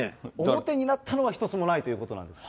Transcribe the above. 表になったのは一つもないということなんです。